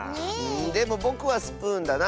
でもぼくはスプーンだな。